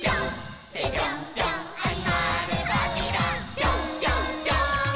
「ピョンピョンピョーンって！」